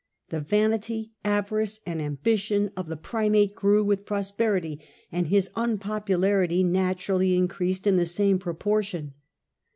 The vanity, avarice, and ambition of the primate grew with prosperity, and his unpopularity naturally in creased in the same proportion.